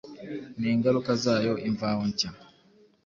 n’ingaruka zayo Imvaho Nshya